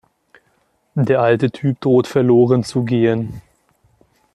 Der alte Typ droht verloren zu gehen.